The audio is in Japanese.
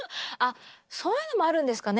そういうのもあるんですかね